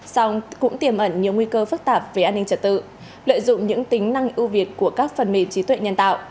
song cũng tiềm ẩn nhiều nguy cơ phức tạp về an ninh trật tự lợi dụng những tính năng ưu việt của các phần mềm trí tuệ nhân tạo